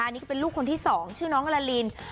อันนี้เป็นลูกคนที่สองชื่อน้องละลิน